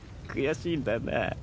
悔しいんだなぁ